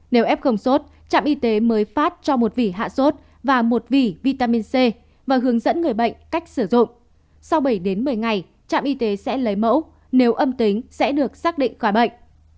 nếu f không sốt trạm y tế mới phát cho một vỉ hạ sốt và một vỉ vitamin c và hướng dẫn người bệnh cách sử dụng sau bảy đến một mươi ngày trạm y tế sẽ lấy mẫu nếu âm tính sẽ được xác định khỏi bệnh